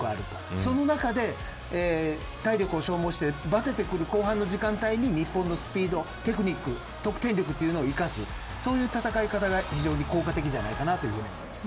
その中で体力を消耗してばててくる後半の時間に日本のスピードやテクニック得点力を生かすそういう戦い方が非常に効果的だと思います。